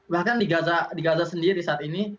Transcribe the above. bahkan di gaza sendiri saat ini